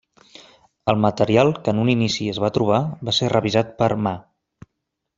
El material que en un inici es va trobar, va ser revisat per Ma.